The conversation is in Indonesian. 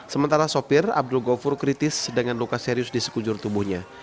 sementara sopir abdul ghafur kritis dengan luka serius di sekujur tubuhnya